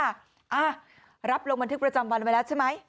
อ่ะรับลงบันทึกประจำวันไว้แล้วใช่ไหม